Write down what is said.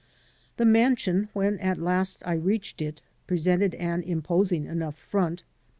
The mansion, when at last I reached it, presented an imposing enough front.